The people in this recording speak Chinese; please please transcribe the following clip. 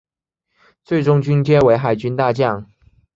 最终军阶为海军大将。